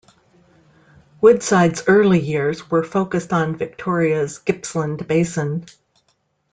Woodside's early years were focussed on Victoria's Gippsland Basin.